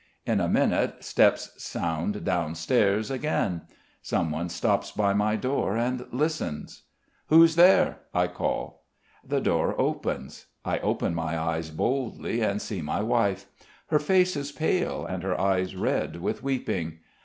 In a minute steps sound downstairs again. Someone stops by my door and listens. "Who's there?" I call. The door opens. I open my eyes boldly and see my wife. Her face is pale and her eyes red with weeping.